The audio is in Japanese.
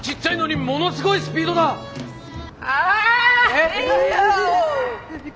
えっ？